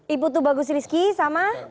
ibu itu bagus rizky sama